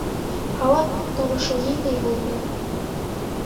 Һауа торошо ниндәй булды?